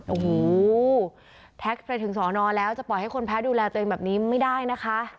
โอ้โหแท็กไปถึงสอนอแล้วจะปล่อยให้คนแพ้ดูแลตัวเองแบบนี้ไม่ได้นะคะ